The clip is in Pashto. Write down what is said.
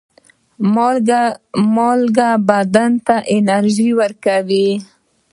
مالګه بدن ته انرژي ورکوي.